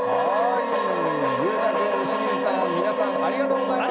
裕太君、清水さん、皆さん、ありがとうございました。